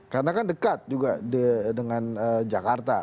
karena kan dekat juga dengan jakarta